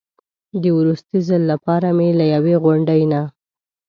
د وروستي ځل لپاره مې له یوې غونډۍ نه.